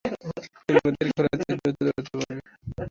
তুমি ওদের ঘোড়ার চেয়ে দ্রুত দৌড়াতে পারবে।